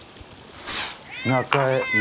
中江雄